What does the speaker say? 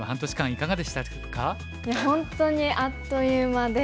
いや本当にあっという間で。